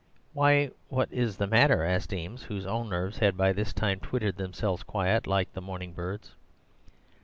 "'Why, what is the matter?' asked Eames, whose own nerves had by this time twittered themselves quiet, like the morning birds.